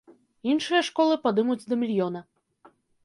Іншыя школы падымуць да мільёна.